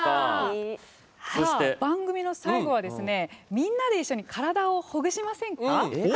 番組の最後はみんなで一緒に体をほぐしませんか？